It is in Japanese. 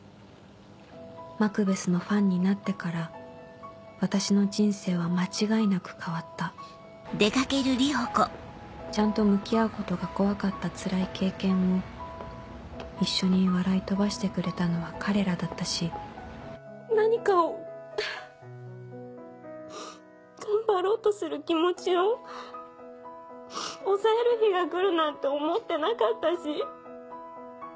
マクベスのファンになってから私の人生は間違いなく変わったちゃんと向き合うことが怖かったつらい経験を一緒に笑い飛ばしてくれたのは彼らだったし何かを頑張ろうとする気持ちを抑える日が来るなんて思ってなかったし。